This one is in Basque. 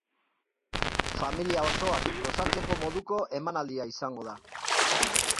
Familia osoak gozatzeko moduko emanaldia izango da.